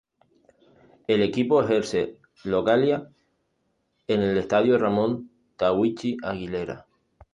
El equipo ejerce localia en el Estadio Ramón Tahuichi Aguilera.